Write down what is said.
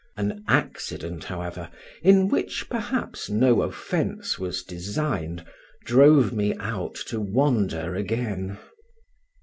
An accident, however, in which perhaps no offence was designed, drove me out to wander again.